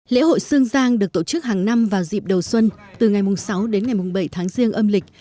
lễ hội sương giang được tổ chức hàng năm vào dịp đầu xuân từ ngày sáu đến ngày bảy tháng riêng âm lịch